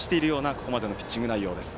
ここまでのピッチング内容です。